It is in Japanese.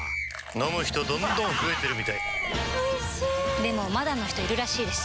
飲む人どんどん増えてるみたいおいしでもまだの人いるらしいですよ